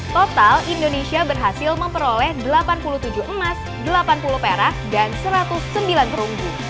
total indonesia berhasil memperoleh delapan puluh tujuh emas delapan puluh perak dan satu ratus sembilan perunggu